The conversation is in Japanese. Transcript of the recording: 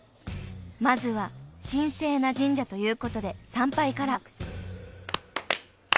［まずは神聖な神社ということで参拝から］